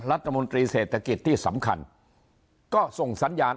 รัฐมนตรีเศรษฐกิจที่สำคัญก็ส่งสัญญาณ